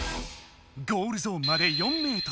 ゴールゾーンまで４ｍ。